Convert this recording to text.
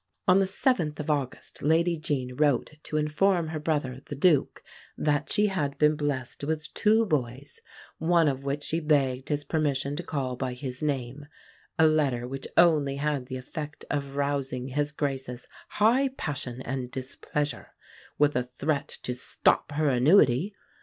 On the 7th of August Lady Jean wrote to inform her brother, the Duke, that she had been blessed with "two boys," one of which she begged his permission to call by his name a letter which only had the effect of rousing His Grace's "high passion and displeasure," with a threat to stop her annuity.